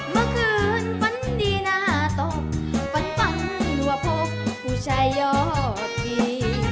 เมื่อคืนฟันดีหนาตกฟันฟังเหลือผกผู้ชายยอดดี